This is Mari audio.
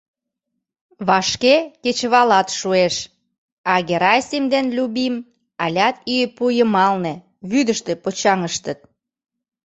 Вашке кечывалат шуэш, а Герасим ден Любим алят ӱепу йымалне, вӱдыштӧ почаҥыштыт.